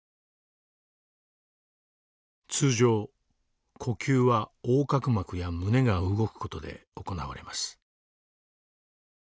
通常呼吸は横隔膜や胸が動く事で行われます。